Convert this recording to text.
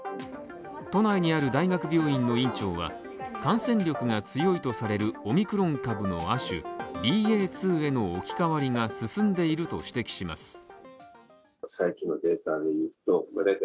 都内にある大学病院の院長は感染力が強いとされるオミクロン株の亜種、ＢＡ．２への置き換わりが進んでいると指摘します。